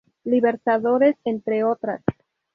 Libertadores, entre otras.